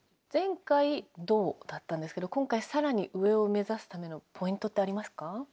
前回銅だったんですけど今回更に上を目指すためのポイントってありますか？